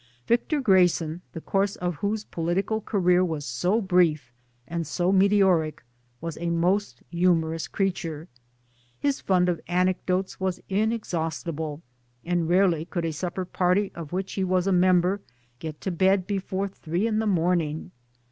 Victor Grayson, the course of whose political career was so brief and so meteoric, was a most humorous creature. His fund of anecdotes was inexhaustible, and rarely could a supper party of which he was a member get to bed before three in the morning.